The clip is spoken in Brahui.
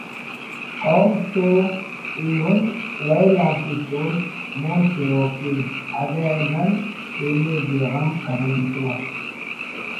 قوم تو ایہن ویل آتتون مون تروک ءِ‘ اگہ نن تینے بے غم کرین تو